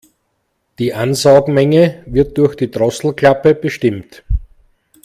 Die Ansaugmenge wird durch die Drosselklappe bestimmt.